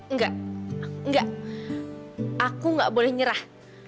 nggak nggak aku nggak boleh nyerah